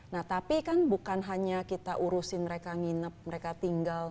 nah tapi kan bukan hanya kita urusin mereka nginep mereka tinggal